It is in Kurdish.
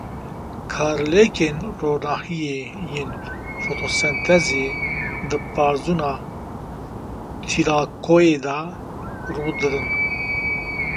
Karlêkên ronahiyê yên fotosentezê di parzûna tîlakoîdê de rû didin.